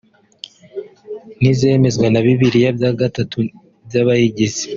nizemezwa na bibiri bya gatatu by’abayigize